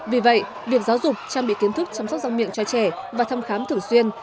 vì vậy việc giáo dục trang bị kiến thức chăm sóc răng miệng cho trẻ và thăm khám thử xuyên